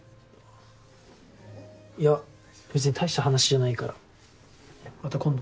いや別にたいした話じゃないからまた今度。